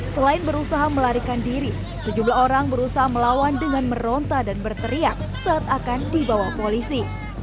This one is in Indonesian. selain berusaha melarikan diri sejumlah orang berusaha melawan dengan meronta dan berteriak saat akan dibawa polisi